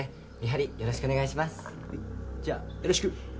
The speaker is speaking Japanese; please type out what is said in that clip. はい。